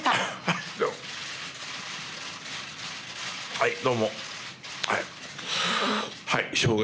はいどうも。